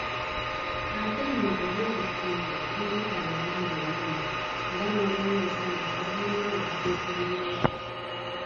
Ate nno eby'obufumbo tobiyita bya mannyo wenu era n'olowooza nti ababulimu basiika binyomo!